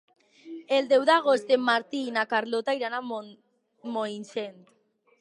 El deu d'agost en Martí i na Carlota iran a Moixent.